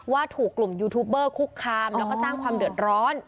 ว่าถูกกลุ่มยูทูบเบอร์คุกคามแล้วก็สร้างความเดือดร้อน